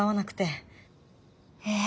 ええ？